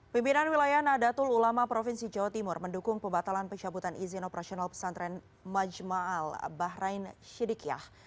pemimpinan wilayah nadatul ulama provinsi jawa timur mendukung pembatalan pencabutan izin operasional pesantren majmal bahrain sidiqiyah